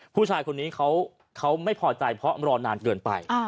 ผู้ชายคนนี้เขาไม่พอใจเพราะรอนานเกินไป